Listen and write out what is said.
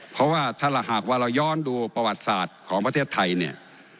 เพราะว่าถ้าหากว่าเราย้อนดูประวัติศาสตร์ของประเทศไทยเนี่ย